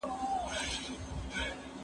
زه بايد مځکي ته وګورم!؟